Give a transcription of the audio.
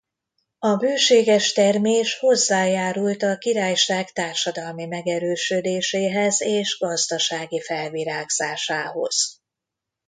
A bőséges termés hozzájárult a királyság társadalmi megerősödéséhez és gazdasági felvirágzásához.